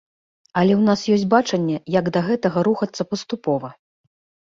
Але ў нас ёсць бачанне, як да гэтага рухацца паступова.